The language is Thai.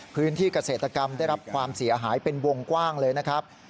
พื้นที่เกษตรกรรมได้รับความเสียหายเป็นวงกว้างเลยนะครับ